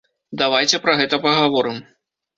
Давайце пра гэта пагаворым.